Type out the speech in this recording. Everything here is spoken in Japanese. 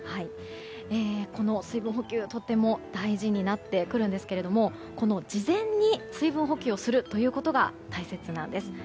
この水分補給、とても大事になってくるんですけど事前に水分補給をするということが大切なんです。